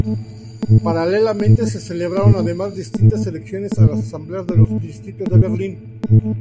Paralelamente se celebraron además distintas elecciones a las asambleas de los distritos de Berlín.